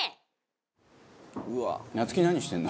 夏樹何してんの？